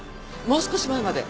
もう少し前まで。